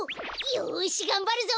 よしがんばるぞ！